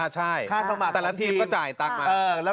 ใช่ค่าสมัครอะ